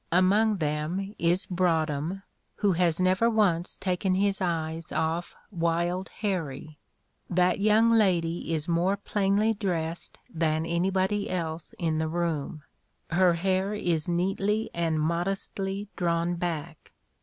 Among them is Broadhem, who has never once taken his eyes off Wild Harrie. That young lady is more plainly dressed than anybody else in the room. Her hair is neatly and modestly drawn back.